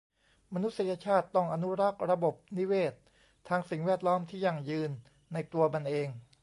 มนุษยชาติต้องอนุรักษ์ระบบนิเวศน์ทางสิ่งแวดล้อมที่ยั่งยืนในตัวมันเอง